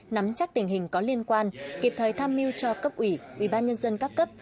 nắm chắc tình hình có liên quan kịp thời tham mưu cho cấp ủy ủy ban nhân dân cấp cấp